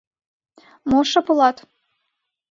— Мо шып улат?